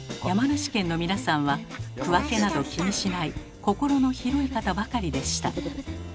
山梨県の皆さんは区分けなど気にしない心の広い方ばかりでした。